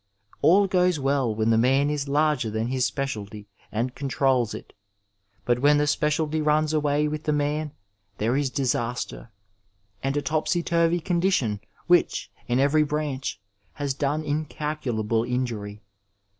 All goes well when the man is larger than his speciality and controls it, but when the speciality runs away with the man there is disaster, and a topsy turvy condition which, in every branch, has done incalculable injury.